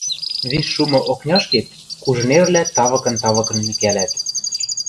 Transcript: Виш шумы окняшкет кужынерлӓ тавыкын-тавыкын микӓлӓт.